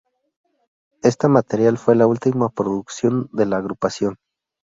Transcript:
Esta material fue la última producción de la agrupación.